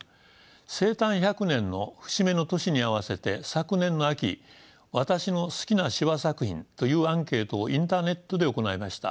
生誕１００年の節目の年に合わせて昨年の秋「私の好きな司馬作品」というアンケートをインターネットで行いました。